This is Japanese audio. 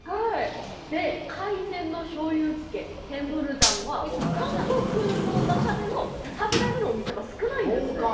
海鮮の醤油漬け、へムルジャンは韓国の中でも食べられるお店が少ないんですよ。